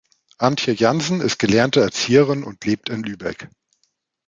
Antje Jansen ist gelernte Erzieherin und lebt in Lübeck.